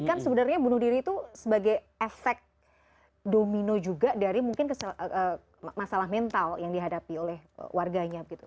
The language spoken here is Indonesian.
tapi kan sebenarnya bunuh diri itu sebagai efek domino juga dari mungkin masalah mental yang dihadapi oleh warganya gitu